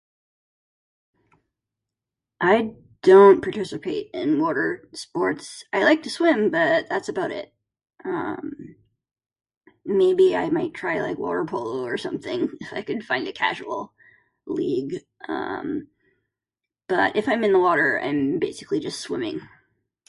I don't participate in water sports. I like to swim, but that's about it. Um, maybe I might try, like, water polo or something if I could find a casual league. Um, but, if I'm in the water, I'm basically just swimming.